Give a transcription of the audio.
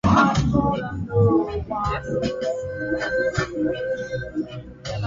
Ya kukosa kasi na wakati mwingine hata kuwa